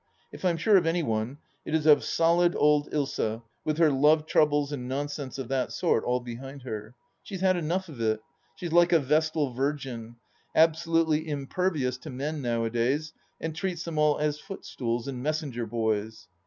If I'm sure of any one, it is of solid old Ilsa, with her love troubles and nonsense of that sort all behind her. She has had enough of it. She is like a Vestal Virgin : abso lutely impervious to men nowadays, and treats them all as footstools and messenger boys.